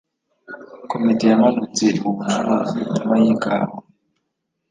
komite yamanutse mu bucuruzi nyuma yikawa.